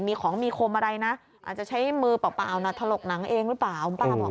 มีของมีคมอะไรนะอาจจะใช้มือเปล่าเปล่านะถลกหนังเองรึเปล่าอ๋อ